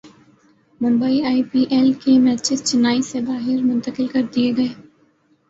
Mumbai I P L کے matches Chennai سے باہر منتقل کر دیئے گئے